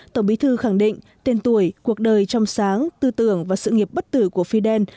tổng bí thư khẳng định tên tuổi cuộc đời trong sáng tư tưởng và sự nghiệp bất tử của fidel